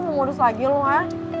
ngumurus lagi lo ya